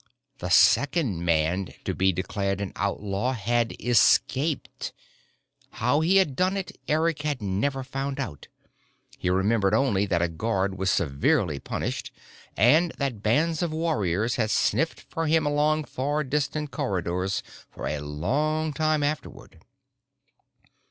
The second man to be declared an outlaw had escaped! How he had done it Eric had never found out: he remembered only that a guard was severely punished, and that bands of warriors had sniffed for him along far distant corridors for a long time afterward.